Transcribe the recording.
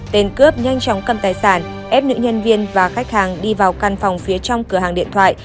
tên cướp nhanh chóng cầm tài sản ép nữ nhân viên và khách hàng đi vào căn phòng phía trong cửa hàng điện thoại